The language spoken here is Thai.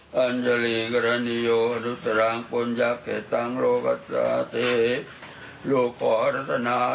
ขอบารมีหลวงพ่อโสธรไปได้เมื่อได้รอดคนจากตรายกลับสู่คืนนั่น